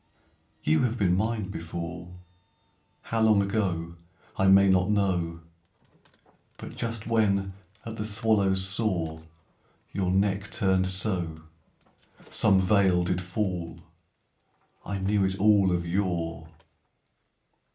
You have been mine before, How long ago I may not know: But just when at the swallow's soar Your neck turned so, Some veil did fall I knew it all of yore.